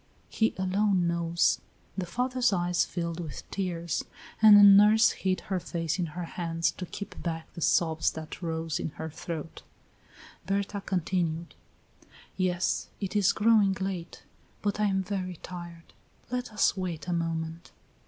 He alone knows." The father's eyes filled with tears, and the nurse hid her face in her hands to keep back the sobs that rose in her throat. Berta continued: "Yes, it is growing late. But I am very tired. Let us wait a moment."